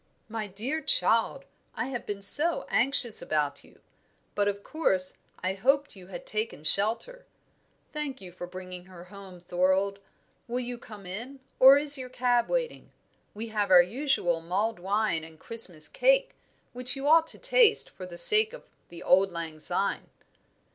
"My dear child, I have been so anxious about you! But of course I hoped you had taken shelter. Thank you for bringing her home, Thorold. Will you come in, or is your cab waiting? We have our usual mulled wine and Christmas cake, which you ought to taste for the sake of the old lang syne."